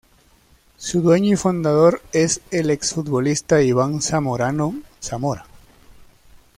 Su dueño y fundador es el ex futbolista Iván Zamorano Zamora.